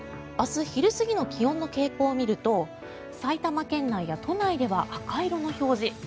明日昼過ぎの気温の傾向を見ると埼玉県内や都内では赤色の表示。